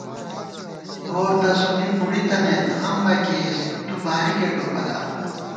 گور تسُونی پُڑی تَنئیت، غم مہ کېئیس، تُو بارِکےٹوپلا